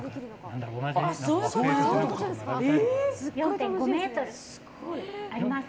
４．５ｍあります。